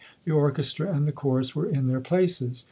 The orchestra and the chorus were in their places.